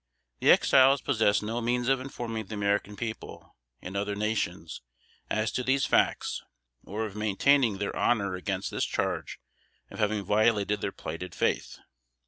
The Exiles possessed no means of informing the American people, and other nations, as to these facts, or of maintaining their honor against this charge of having violated their plighted faith.